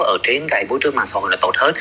ở trên cái môi trường mạng xã hội là tốt hơn